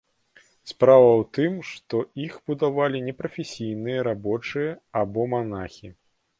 Справа ў тым, што іх будавалі непрафесійныя рабочыя або манахі.